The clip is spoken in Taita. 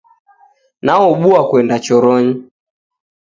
Naubua kwenda choronyi